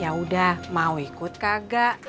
ya udah mau ikut kagak